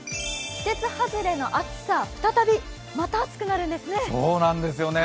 季節外れの暑さ再びまた暑くなるんですね。